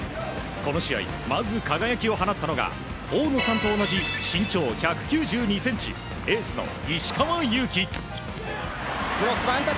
この試合、まず輝きを放ったのが大野さんと同じ身長１９２ｃｍエースの石川祐希。